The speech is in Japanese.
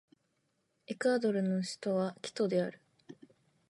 エクアドルの首都はキトである